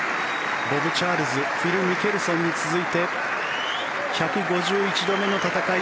ボブ・チャールズフィル・ミケルソンに続いて１５１度目の戦い